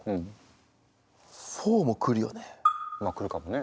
まあ来るかもね。